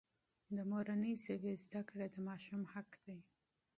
د مورنۍ ژبې زده کړه د ماشوم حق دی.